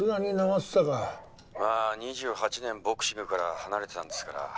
「まあ２８年ボクシングから離れてたんですから」